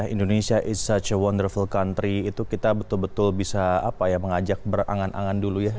indonesia is souch a wonderful country itu kita betul betul bisa mengajak berangan angan dulu ya